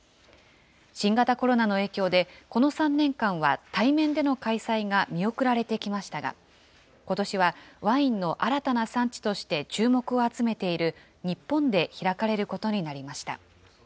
新型コロナの影響で、この３年間は対面での開催が見送られてきましたが、ことしはワインの新たな産地として注目を集めている日本で開かれることになりました。